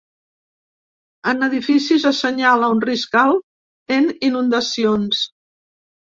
En edificis assenyala un risc alt en inundacions.